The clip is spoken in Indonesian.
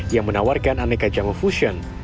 yang menawarkan aneka jamu fusion